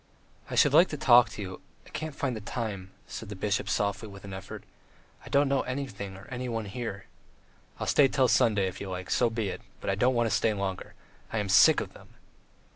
"I should like to talk to you. ... I can't find the time," said the bishop softly with an effort. "I don't know anything or anybody here. ..." "I'll stay till Sunday if you like; so be it, but I don't want to stay longer. I am sick of them!"